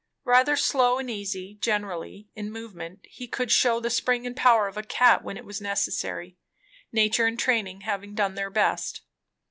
Rather slow and easy, generally, in movement, he could shew the spring and power of a cat, when it was necessary; nature and training having done their best.